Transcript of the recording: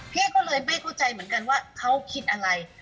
พี่ก็เลยไม่เข้าใจเหมือนกันว่าเขาคิดอะไร